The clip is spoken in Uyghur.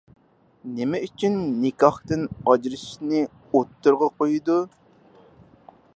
نېمە ئۈچۈن نىكاھتىن ئاجرىشىشنى ئوتتۇرىغا قويىدۇ؟